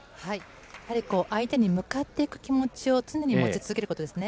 やはり相手に向かっていく気持ちを常に持ち続けることですね。